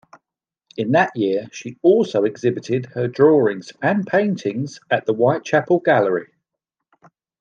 In that year she also exhibited her drawings and paintings at the Whitechapel Gallery.